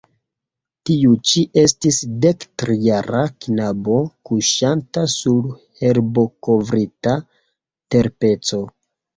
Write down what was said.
Tiu ĉi estis dektrijara knabo, kuŝanta sur herbokovrita terpeco.